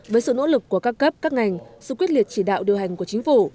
với sự nỗ lực của các cấp các ngành sự quyết liệt chỉ đạo điều hành của chính phủ